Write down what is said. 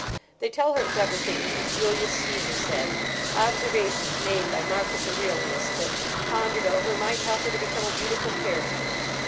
They tell her clever things that Julius Cæsar said; observations made by Marcus Aurelius that, pondered over, might help her to become a beautiful character.